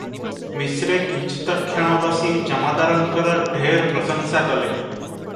ମିଶ୍ରେ କିଞ୍ଚିତକ୍ଷଣ ବସି ଜମାଦାରଙ୍କର ଢେର ପ୍ରଶଂସା କଲେ ।